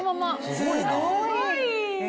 すごいな。